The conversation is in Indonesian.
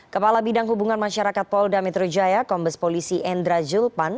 kepala bidang hubungan masyarakat polda metro jaya kombes polisi endra julpan